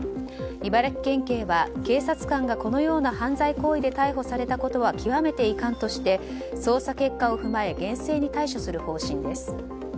茨城県警は警察官がこのような犯罪行為で逮捕されたことは極めて遺憾として捜査結果を踏まえ厳正に対処する方針です。